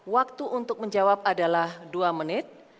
waktu untuk menjawab adalah dua menit